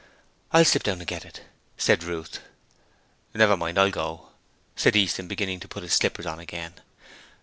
'I'll slip down and get it,' said Ruth. 'Never mind, I'll go,' said Easton, beginning to put his slippers on again.